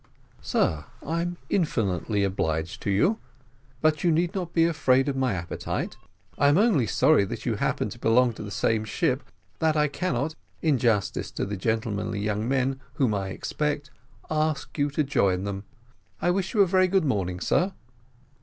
"Sir, I am infinitely obliged to you; but you need not be afraid of my appetite; I am only sorry, as you happen to belong to the same ship, that I cannot, in justice to the gentlemanly young men whom I expect, ask you to join them. I wish you a very good morning, sir."